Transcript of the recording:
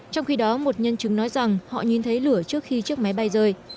trong khi đó một nhân chứng nói rằng họ nhìn thấy lửa trước khi chiếc máy bay rơi